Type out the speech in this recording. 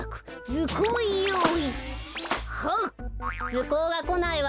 ずこうがこないわよ。